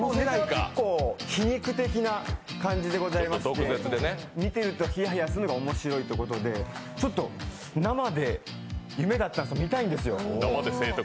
皮肉的な感じでございまして、見てるとひやひやするのが面白いということで生で、夢だったんです、見たいんですよ。